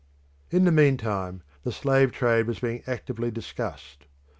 In the meantime the slave trade was being actively discussed.